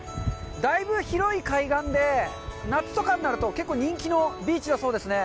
だいぶ広い海岸で、夏とかになると結構人気のビーチだそうですね。